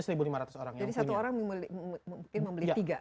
jadi satu orang membeli tiga ya